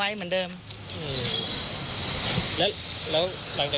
ว่าด้วยหรือบอกให้มาสอบปกฤษ